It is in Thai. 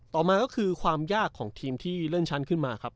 ต่อมาก็คือความยากของทีมที่เลื่อนชั้นขึ้นมาครับ